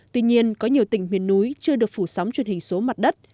tuy nhiên có nhiều tỉnh huyền núi chưa được phủ sóng truyền hình số mặt đất